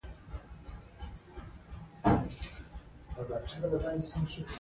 غزني د افغانستان یوه طبیعي ځانګړتیا ده.